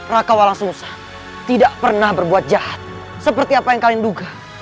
raka walang sungsang tidak pernah berbuat jahat seperti apa yang kalian duga